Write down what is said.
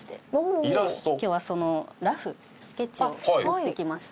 今日はそのラフスケッチを持ってきました。